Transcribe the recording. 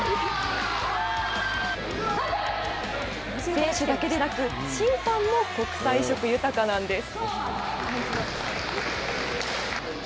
選手だけでなく審判も国際色豊かなんです。